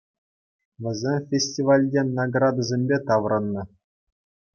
Вӗсем фестивальтен наградӑсемпе таврӑннӑ.